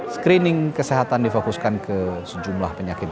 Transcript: screening kesehatan difokuskan ke sejumlah penyakit